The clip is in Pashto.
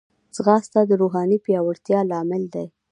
ځغاسته د روحاني پیاوړتیا لامل دی